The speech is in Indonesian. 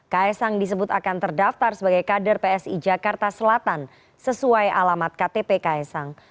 ks sang disebut akan terdaftar sebagai kader psi jakarta selatan sesuai alamat ktp ks sang